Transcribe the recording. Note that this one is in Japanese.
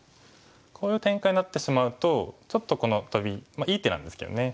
こういう展開になってしまうとちょっとこのトビいい手なんですけどね